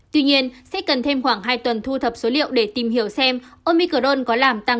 tuy nhiên sẽ cần thêm khoảng hai tuần thu thập số liệu để tìm hiểu xem omicrone có làm tăng